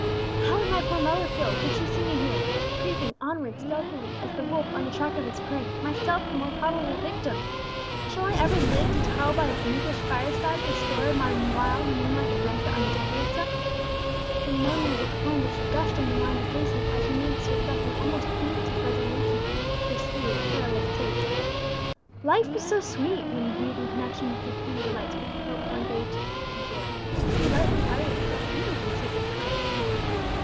"How would my poor mother feel could she see me here, creeping onwards stealthily as the wolf on the track of his prey, myself the more probable victim! Shall I ever live to tell by an English fireside the story of my wild moonlight adventure on the Dehesa?" The memories of home which gushed on the mind of Lucius as he made this reflection almost changed his resolution to pursue his perilous chase. Life was so sweet, when viewed in connection with the home delights which he hoped one day to enjoy, to be lightly parted with, even for the sake of a friend.